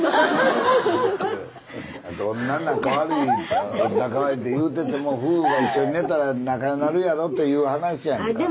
どんな仲悪いって言うてても夫婦が一緒に寝たら仲良うなるやろという話やんか。